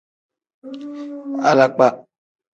Alakpa.